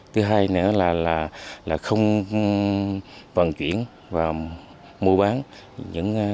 thứ hai nữa là không vận chuyển và mua bán